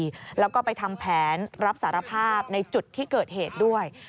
แล้วก็ไปทำแผนรับสารภาพในจุดที่เกิดเหตุด้วย